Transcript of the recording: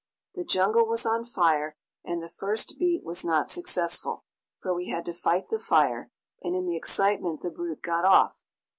The jungle was on fire and the first beat was not successful, for we had to fight the fire, and in the excitement the brute got off.